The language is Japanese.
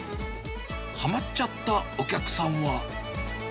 はまっちゃったお客さんは。